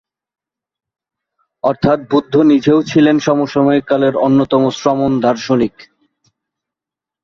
অর্থাৎ, বুদ্ধ নিজেও ছিলেন সমসাময়িক কালের অন্যতম শ্রমণ দার্শনিক।